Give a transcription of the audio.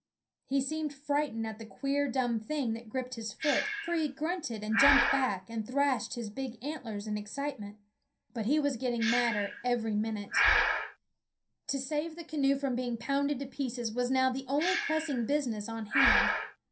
He seemed frightened at the queer, dumb thing that gripped his foot, for he grunted and jumped back, and V SCHOOL OJF thrashed his big antlers in excitement; but he was getting madder every minute. To save the canoe from being pounded to pieces was now the only pressing business on hand.